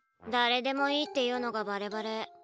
誰でもいいっていうのがバレバレ。